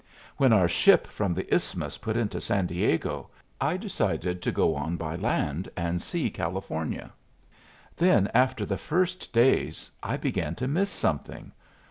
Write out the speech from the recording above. When our ship from the Isthmus put into San Diego, I decided to go on by land and see California. Then, after the first days, I began to miss something.